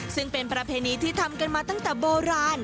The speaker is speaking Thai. ซึ่งเป็นประเพณีที่ทำกันมาตั้งแต่โบราณ